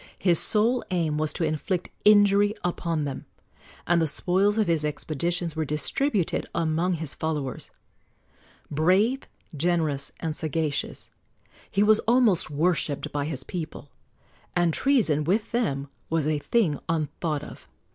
His sole aim was to inflict injury upon them, and the spoils of his expeditions were distributed among his followers. Brave, generous and sagacious, he was almost worshipped by his people, and treason, with them, was a thing unthought of.